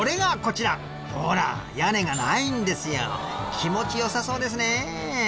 気持ちよさそうですねえ。